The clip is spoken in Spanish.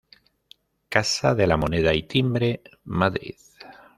Casa de la Moneda y Timbre, Madrid.